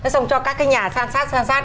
xong cho các cái nhà sàn sát sàn sát